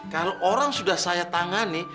kalau orang sudah saya tangani